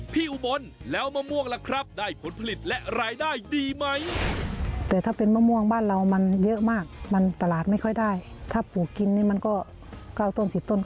อุบลแล้วมะม่วงล่ะครับได้ผลผลิตและรายได้ดีไหม